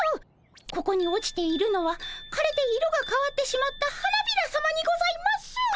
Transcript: ここに落ちているのはかれて色がかわってしまった花びらさまにございます。